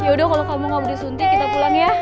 yaudah kalau kamu gak mau disuntik kita pulang ya